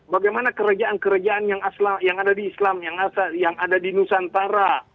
bagaimana kerajaan kerajaan yang ada di islam yang ada di nusantara